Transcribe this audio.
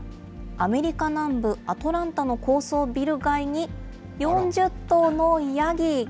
アメリカ南部アトランタの高層ビル街に、４０頭のヤギ。